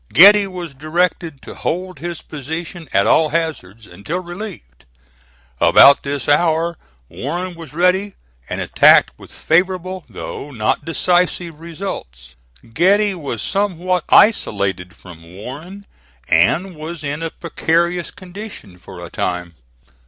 Getty was directed to hold his position at all hazards until relieved. About this hour Warren was ready, and attacked with favorable though not decisive results. Getty was somewhat isolated from Warren and was in a precarious condition for a time.